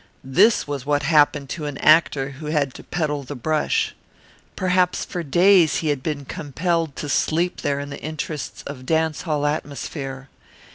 This was what happened to an actor who had to peddle the brush. Perhaps for days he had been compelled to sleep there in the interests of dance hall atmosphere.